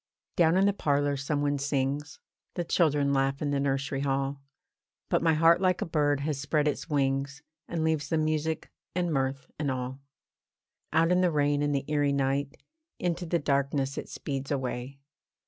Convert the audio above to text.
Down in the parlour some one sings; The children laugh in the nursery hall; But my heart like a bird has spread its wings, And leaves the music, and mirth, and all. Out in the rain and the eerie night, Into the darkness it speeds away.